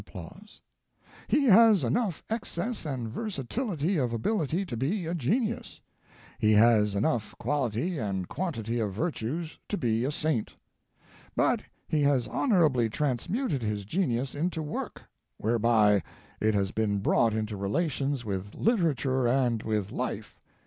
"He has enough excess and versatility of ability to be a genius. He has enough quality of virtues to be a saint. But he has honorably transmuted his genius into his work, whereby it has been brought into relations with literature and with life.